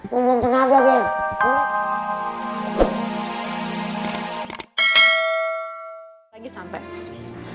lu belum tenaga geng